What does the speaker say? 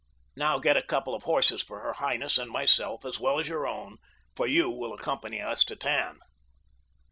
"Now get a couple of horses for her highness and myself, as well as your own, for you will accompany us to Tann."